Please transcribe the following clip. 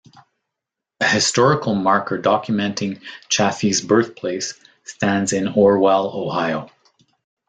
A historical marker documenting Chaffee's birthplace stands in Orwell, Ohio.